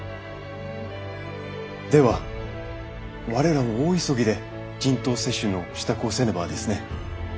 では我らも大急ぎで人痘接種の支度をせねばですね。